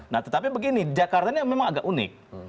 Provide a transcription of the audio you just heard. nah tetapi begini jakarta ini memang agak unik